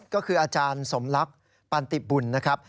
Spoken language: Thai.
ก็คืออาจารย์สมลักษณ์ปันติบุญนะครับ